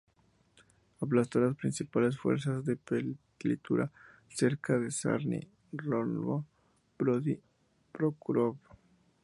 Aplastó las principales fuerzas de Petliura cerca de Sarny-Rovno-Brody-Proskúrov.